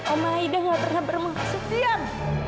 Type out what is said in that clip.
oma aida enggak pernah bermuka setiam